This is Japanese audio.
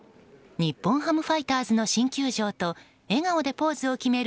日本ハムファイターズの新球場と、笑顔でポーズを決める